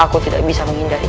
aku tidak bisa menghindarimu